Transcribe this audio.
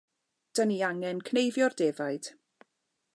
'Dan ni angen cneifio'r defaid.